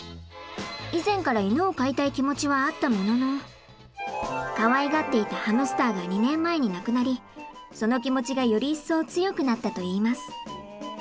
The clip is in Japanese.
以前から犬を飼いたい気持ちはあったもののかわいがっていたハムスターが２年前に亡くなりその気持ちがより一層強くなったといいます。